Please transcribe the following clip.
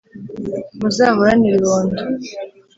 muzahorane ibibondo